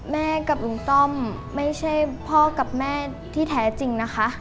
กับลุงต้อมไม่ใช่พ่อกับแม่ที่แท้จริงนะคะ